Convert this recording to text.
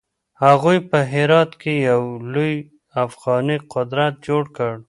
هغوی په هرات کې يو لوی افغاني قدرت جوړ کړ.